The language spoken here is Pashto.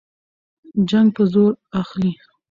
جنګ به زور اخلي.